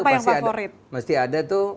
apa yang favorit mesti ada itu